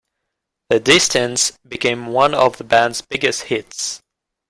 "The Distance" became one of the band's biggest hits.